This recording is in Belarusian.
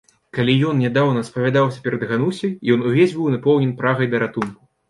Калi ён нядаўна спавядаўся перад Ганусяй, ён увесь быў напоўнен прагай да ратунку.